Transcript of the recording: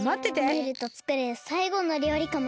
ムールとつくるさいごのりょうりかもしれないし。